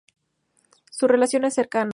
Su relación no es cercana.